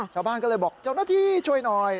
ชาวบ้านก็เลยบอกเจ้าหน้าที่ช่วยหน่อย